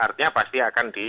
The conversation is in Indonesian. artinya pasti akan ditolak